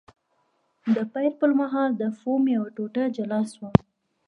د پیل پر مهال د فوم یوه ټوټه جلا شوه.